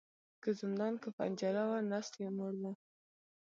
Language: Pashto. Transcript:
که زندان که پنجره وه نس یې موړ وو